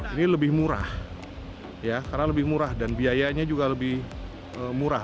ini lebih murah karena lebih murah dan biayanya juga lebih murah